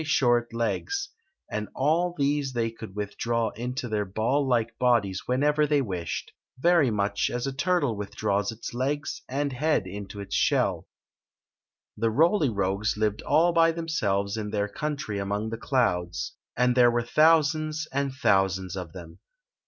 hort legs; and all these they could with draw into their ball like bodies whenever they wi^ed, very much as a turtle withdraws its 1^ and head into its shell ^ The Rdy Rogues lived all by themselves in tl ei; Queen Zixi of Ix ; or, the country among the clouds, and there were thousands and thousands of them.